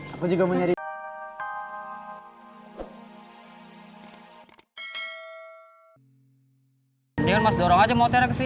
aku juga mau nyari